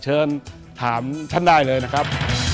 เชิญถามท่านได้เลยนะครับ